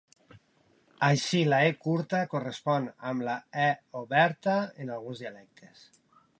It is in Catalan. Així, la "e" curta correspon amb la "e" oberta en alguns dialectes.